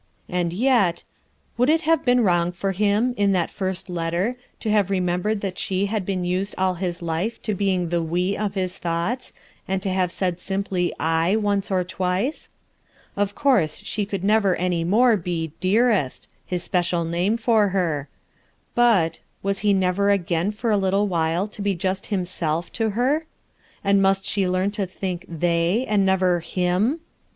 And yet — Would it have been wrong for hini, in that first letter, to have remembered that she had been used all his life to being the "we" of his thoughts, and to have said simply "I" once or twice? Of course she could never any more be "dearest" — Ids special name for her; but — was he never again for a little while to be just himself, to her? And must she learn to think "they" and never "him"?